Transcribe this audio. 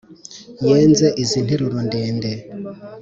yenze izi nteruro ndende *,